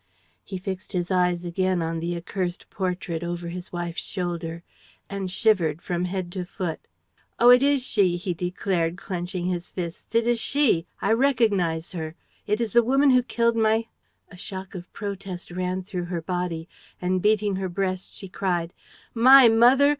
He fixed his eyes again on the accursed portrait, over his wife's shoulder, and shivered from head to foot: "Oh, it is she!" he declared, clenching his fists. "It is she I recognize her it is the woman who killed my " A shock of protest ran through her body; and, beating her breast, she cried: "My mother!